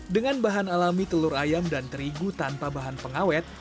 dengan bahan alami telur ayam dan terigu tanpa bahan pengawet